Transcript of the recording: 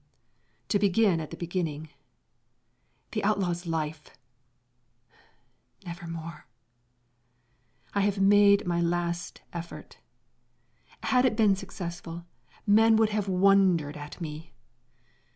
To begin at the beginning: the outlaw's life never more! I have made my last effort; had it been successful, men would have wondered at me.